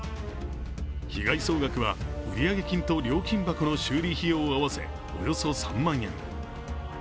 被害総額は、売上金と料金箱の修理費用を合わせ、およそ３万円。